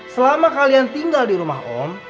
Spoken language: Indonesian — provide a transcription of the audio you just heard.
selama kalian tinggal di rumah om